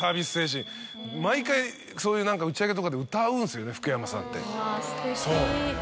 毎回そういう打ち上げとかで歌うんですよね福山さんって。